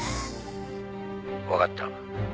「わかった。